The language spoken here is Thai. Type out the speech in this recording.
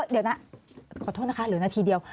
เดี๋ยวนะขอโทษนะคะเหลือนาทีเดียว